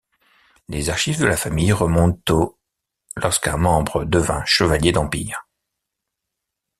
Les archives de la famille remontent au lorsqu'un membre devint chevalier d'Empire.